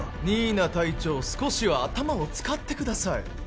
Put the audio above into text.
新名隊長少しは頭を使ってください